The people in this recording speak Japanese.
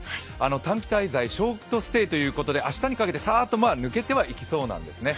短期滞在、ショートステイということで明日にかけてサーッと抜けていきそうではあるんですね。